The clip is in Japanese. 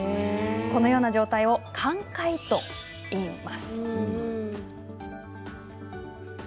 このような状態を寛解といいます。